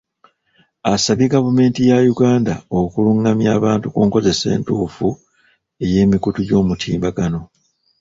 Asabye gavumenti ya Uganda okulungamya abantu ku nkozesa entuufu ey'emikutu gy'omutimbagano.